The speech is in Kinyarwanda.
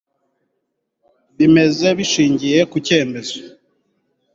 bimeze bishingiye ku cyemezo